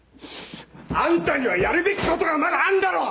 あんたにはやるべきことがまだあんだろ！